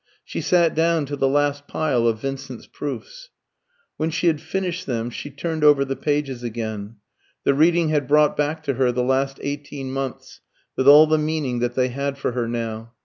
She sat down to the last pile of Vincent's proofs. When she had finished them, she turned over the pages again. The reading had brought back to her the last eighteen months, with all the meaning that they had for her now.